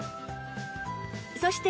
そして